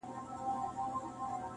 دا وینا له دومره پوچو الفاظو -